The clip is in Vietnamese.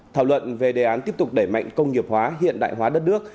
thảo luận về đề án tiếp tục đẩy mạnh công nghiệp hóa hiện đại hóa đất nước